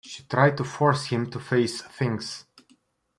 She tried to force him to face things.